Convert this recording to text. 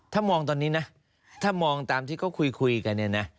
ถ้ามองตอนนี้นะถ้ามองตามที่เขาคุยกันเนี่ยนะ